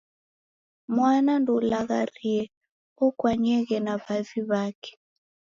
Mwana ndoulagharie, okwanyeghe na w'avi w'ake.